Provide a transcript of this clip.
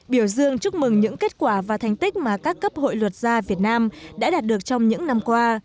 biểu dương chúc mừng những kết quả và thành tích mà các cấp hội luật gia việt nam đã đạt được trong những năm qua